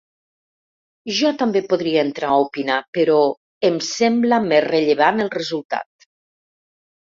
Jo també podria entrar a opinar però em sembla més rellevant el resultat.